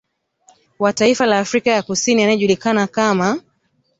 Wa taifa la Afrika ya Kusini anayejulikana kama